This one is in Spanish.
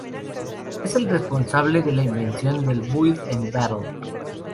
Él es el responsable de la invención del ""Build and Battle"".